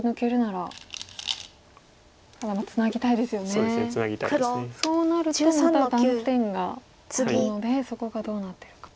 そうなるとまた断点があるのでそこがどうなってるか。